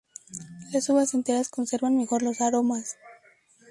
Las uvas enteras conservan mejor los aromas.